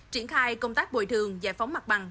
triển khai công tác bồi thường giải phóng mặt bằng